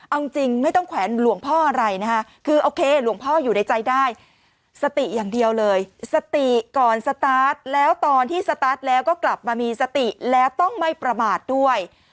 เอาจริงไม่ต้องแขวนหลวงพ่ออะไรนะคะคือโอเคหลวงพ่ออยู่ในใจได้สติอย่างเดียวเลยสติก่อนสตาร์ทแล้วตอนที่สตาร์ทแล้วก็กลับมามีสติแล้วต้องไม่ประมาทด้วย